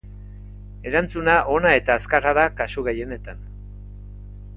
Erantzuna ona eta azkarra da kasu gehienetan.